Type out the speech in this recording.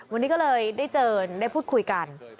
วันนี้ก็เลยได้เจอได้พูดคุยกัน